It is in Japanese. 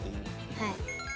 はい。